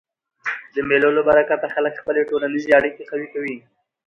د مېلو له برکته خلک خپلي ټولنیزي اړیکي قوي کوي.